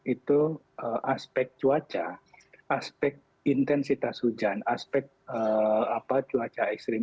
itu aspek cuaca aspek intensitas hujan aspek cuaca ekstrim